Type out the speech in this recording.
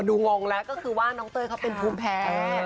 งงแล้วก็คือว่าน้องเต้ยเขาเป็นภูมิแพ้